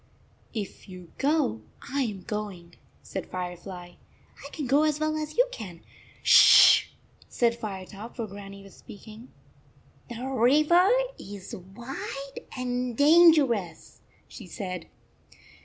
"If you go, I m going," said Firefly. " I can go as well as you can." " Sh sh sh said Firetop, for Grannie was speaking. "The river is wide and dangerous," she said.